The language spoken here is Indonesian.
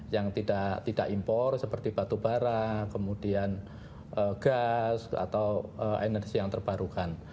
yang tidak impor seperti batu bara kemudian gas atau energi yang terbarukan